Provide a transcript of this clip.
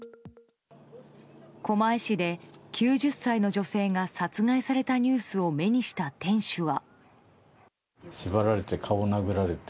狛江市で９０歳の女性が殺害されたニュースを目にした店主は。